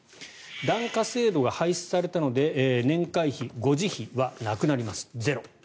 檀家制度が廃止されたので年会費、護持費はなくなりますゼロ。